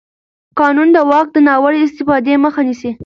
قانون د واک د ناوړه استفادې مخه نیسي.